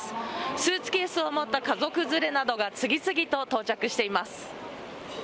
スーツケースを持った家族連れなどが次々と到着しています。